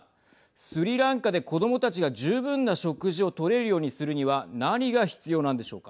スリランカで子どもたちが十分な食事を取れるようにするには何が必要なんでしょうか。